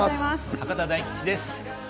博多大吉です。